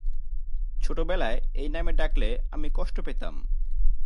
ছোটবেলায় এই নামে ডাকলে আমি কষ্ট পেতাম।